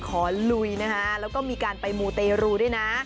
ลุยนะคะแล้วก็มีการไปมูเตรูด้วยนะ